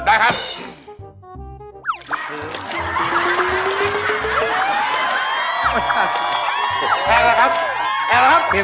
แพงแล้วครับแพงแล้วครับ